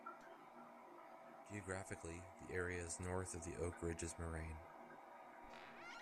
Geographically, the area is north of the Oak Ridges Moraine.